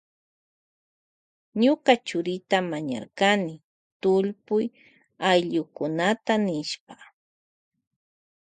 Ñuka churita mañarkani tullpuy ayllukunata nishpa.